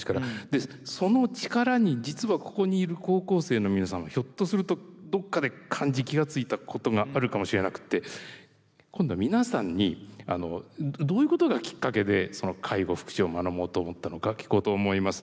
でその力に実はここにいる高校生の皆さんもひょっとするとどっかで感じ気が付いたことがあるかもしれなくって今度は皆さんにどういうことがきっかけで介護福祉を学ぼうと思ったのか聞こうと思います。